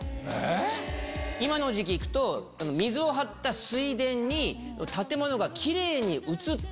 今の時期行くと水を張った水田に建物がキレイに映って。